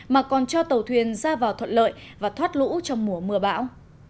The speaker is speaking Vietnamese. mà còn cho tàu thuyền ra vào thuận lợi và thoát lũ trong mùa mưa bão